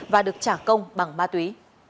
và được trả công bằng ma túy